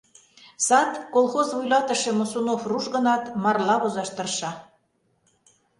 «Сад» колхоз вуйлатыше Мосунов руш гынат, марла возаш тырша.